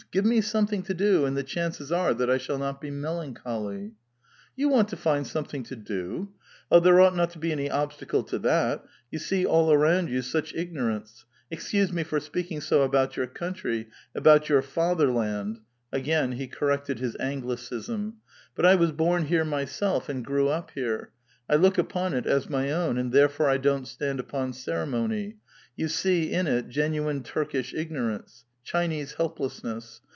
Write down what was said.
Give me something to do, and the chances are that I shall not be melancholv." " You want to find something to do? Oh, there onght not to be any obstacle to that ; you see all around you such igno rance ; excuse me for speaking so about your country, about your fatherland*' (again he corrected his Anglicism) ; *'but I was born here myself, and grew up here ; I look upon it as my own, and therefore I don't stand upon ceremony ; you see in it genuine Turkish ignorance, Chinese helplessness.